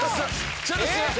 ちょっとすみません。